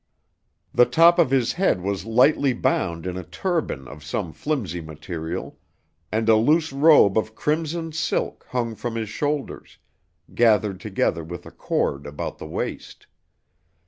The top of his head was lightly bound in a turban of some flimsy material, and a loose robe of crimson silk hung from his shoulders, gathered together with a cord about the waist.